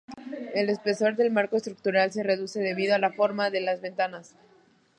El espesor del marco estructural se reduce debido a la forma de las ventanas.